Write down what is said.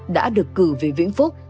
đã được cử về vĩnh phúc